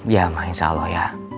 ya mas insya allah ya